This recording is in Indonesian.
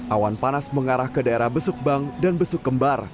awan panas mengarah ke daerah besukbang dan besuk kembar